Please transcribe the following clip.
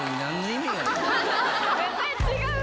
絶対違うよ。